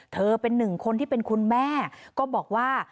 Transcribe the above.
เป็นหนึ่งคนที่เป็นคุณแม่ก็บอกว่า